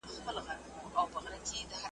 چي بد ګرځي بد به پرځي